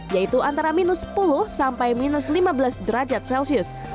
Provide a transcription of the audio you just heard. yaitu antara minus sepuluh sampai minus lima belas derajat celcius